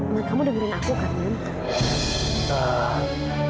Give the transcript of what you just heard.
man kamu dengerin aku kan